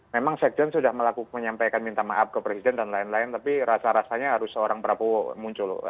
memang sekjen sudah menyampaikan minta maaf ke presiden dan lain lain tapi rasa rasanya harus seorang prabowo muncul